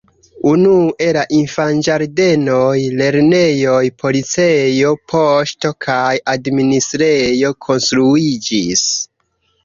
Unue la infanĝardenoj, lernejoj, policejo, poŝto kaj administrejo konstruiĝis.